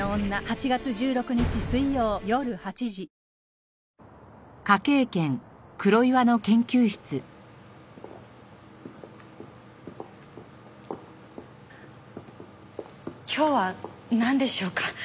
ニトリ今日はなんでしょうか？